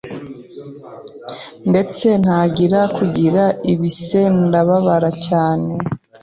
ndetse ntangira kugira ibise ndababara cyane